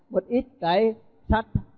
một ít cái sắt